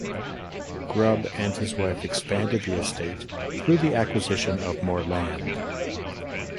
Grubbe and his wife expanded the estate through the acquisition of more land.